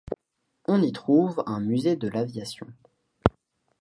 On y trouve un Musée de l'aviation.